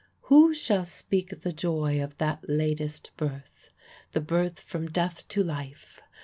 Who shall speak the joy of that latest birth, the birth from death to life!